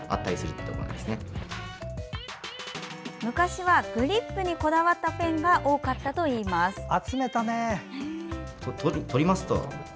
昔は、グリップにこだわったペンが多かったといいます。